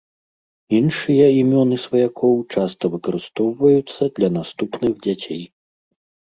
Іншыя імёны сваякоў часта выкарыстоўваюцца для наступных дзяцей.